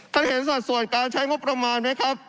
ท่านเห็นสัดส่วนการใช้งบประมาณไหมครับ